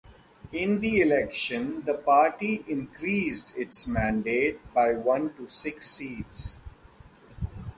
In the election, the party increased its mandate by one to six seats.